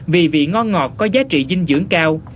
vì vị ngon ngọt có giá trị dinh dưỡng cao